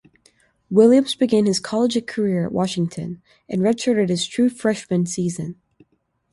Williams began his collegiate career at Washington and redshirted his true freshman season.